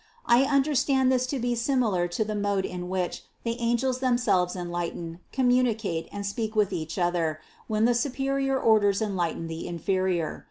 I understand this to be similar to the mode in which the angels themselves enlighten, communicate and speak with each other, when the superior orders en lighten the inferior.